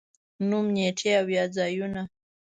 نوم، نېټې او یا ځايونه